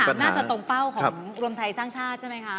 น่าจะตรงเป้าของรวมไทยสร้างชาติใช่ไหมคะ